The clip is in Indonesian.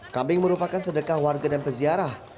kambing merupakan sedekah warga dan peziarah